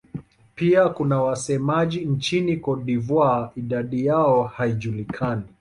Pia kuna wasemaji nchini Cote d'Ivoire; idadi yao haijulikani.